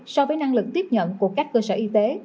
so với năng lực tiếp nhận của các cơ sở y tế